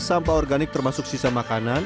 sampah organik termasuk sisa makanan